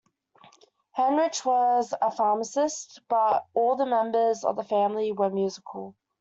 Heinrich was a pharmacist, but all the members of the family were musical.